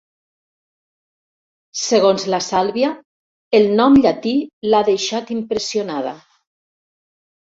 Segons la Sàlvia, el nom llatí l'ha deixat impressionada.